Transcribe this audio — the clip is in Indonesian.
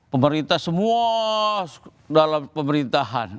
pemerintah semua dalam pemerintahan